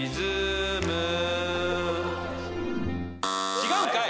違うんかい！